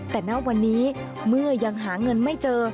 แต่ณวันนี้เมื่อยังหาเงินไม่เจอ